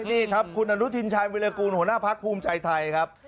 นี่ครับคุณอนุทินชาญวิรากูลหัวหน้าพักภูมิใจไทยครับ